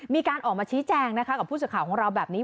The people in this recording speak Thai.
มีการออกมาชี้แจงนะคะกับผู้สื่อข่าวของเราแบบนี้